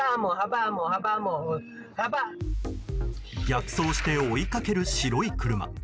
逆走して追いかける白い車。